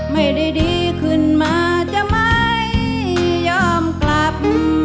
ไม่ได้ดีขึ้นมาจะไม่ยอมกลับ